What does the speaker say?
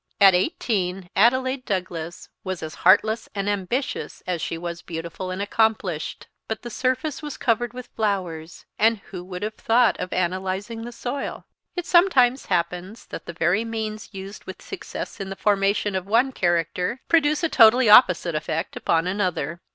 At eighteen Adelaide Douglas was as heartless and ambitious as she was beautiful and accomplished; but the surface was covered with flowers, and who would have thought of analysing the soil? It sometimes happens that the very means used with success in the formation of one character produce a totally opposite effect upon another.